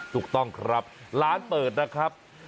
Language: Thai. ถูกต้องครับร้านเปิดนะครับ